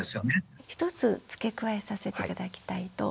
１つ付け加えさせて頂きたいと。